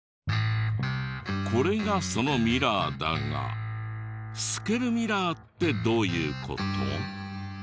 これがそのミラーだが透けるミラーってどういう事？